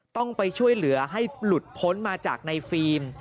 ต้องไปช่วยเหลือให้หลุดพ้นมาจากในฟิล์ม